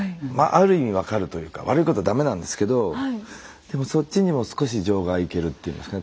ある意味分かるというか悪いこと駄目なんですけどでもそっちにも少し情がいけるっていいますかね。